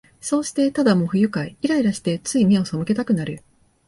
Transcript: そうして、ただもう不愉快、イライラして、つい眼をそむけたくなる